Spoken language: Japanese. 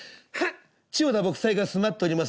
千代田卜斎が住まっております